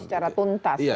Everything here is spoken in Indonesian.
secara tuntas ya